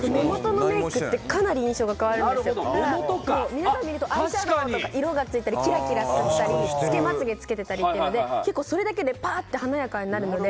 皆さん見るとアイシャドーとか色がついたりキラキラしていたりつけまつげつけてたりっていうので結構それだけでパーッて華やかになるので。